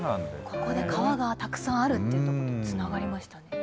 ここで川がたくさんあるってところとつながりましたね。